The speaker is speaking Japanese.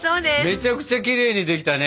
めちゃくちゃきれいにできたね。